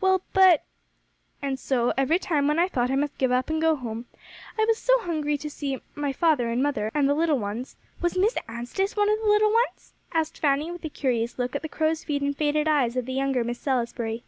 "Well, but " "And so, every time when I thought I must give up and go home, I was so hungry to see my father and mother, and the little ones " "Was Miss Anstice one of the little ones?" asked Fanny, with a curious look at the crow's feet and faded eyes of the younger Miss Salisbury.